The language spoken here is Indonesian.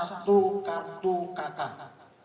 satu kartu kakak